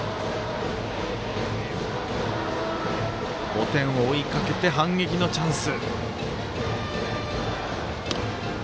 ５点を追いかけて反撃のチャンス。